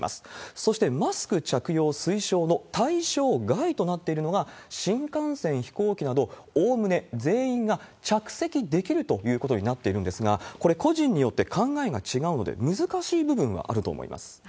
そしてマスク着用推奨の対象外となっているのが、新幹線、飛行機など、おおむね全員が着席できるということになっているんですが、これ、個人によって考えが違うので、難しい部分はあると思います。